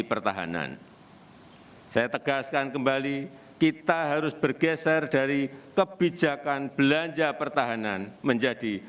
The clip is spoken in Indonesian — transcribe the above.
pertahanan saya tegaskan kembali kita harus bergeser dari kebijakan belanja pertahanan menjadi